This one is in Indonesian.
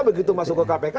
begitu masuk ke kpk